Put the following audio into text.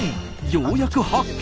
ようやく発見！